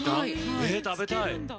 食べたい！